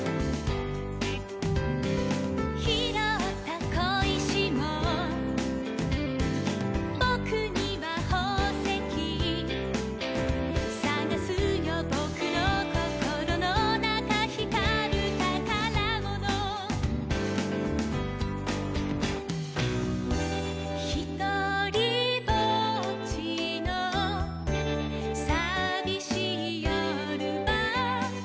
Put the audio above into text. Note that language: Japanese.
「ひろったこいしもぼくにはほうせき」「さがすよぼくのこころのなか」「ひかるたからもの」「ひとりぼっちのさびしいよるは」